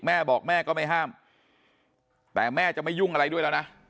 แม่บอกแม่ก็ไม่ห้ามแต่แม่จะไม่ยุ่งอะไรด้วยแล้วนะ